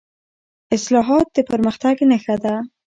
اصلاحات د پرمختګ نښه ده